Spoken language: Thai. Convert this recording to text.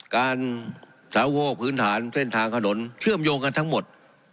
การสาวโวกพื้นฐานเส้นทางถนนเชื่อมโยงกันทั้งหมด